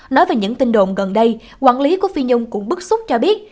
nói về những tin đồn gần đây quản lý của phi dung cũng bức xúc cho biết